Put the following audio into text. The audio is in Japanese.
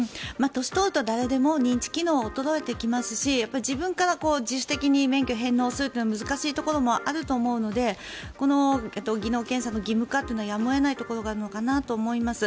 年を取ると誰でも認知機能は衰えてきますし自分から自主的に免許返納をするというのは難しいところもあると思うのでこの技能検査の義務化はやむを得ないところがあるのかなと思います。